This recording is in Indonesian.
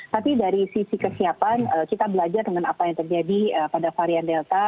tapi dari sisi kesiapan kita belajar dengan apa yang terjadi pada varian delta